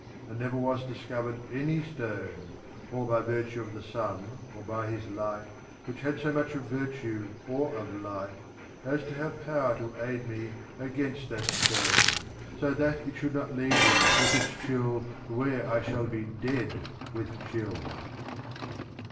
And never was discovered any stone, or by virtue of the sun or by his light which had so much of virtue or of light as to have power to aid me against that stone so that it should not lead me with its chill to where I shall be dead with chill.